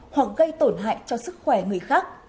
hoặc gây tổn hại cho sức khỏe người khác